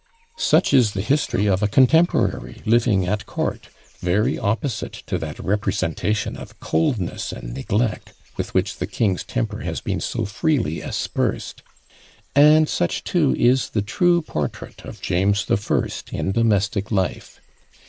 Such is the history of a contemporary living at court, very opposite to that representation of coldness and neglect with which the king's temper has been so freely aspersed; and such too is the true portrait of James the First in domestic life.